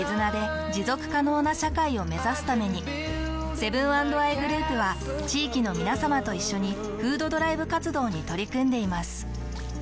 セブン＆アイグループは地域のみなさまと一緒に「フードドライブ活動」に取り組んでいます。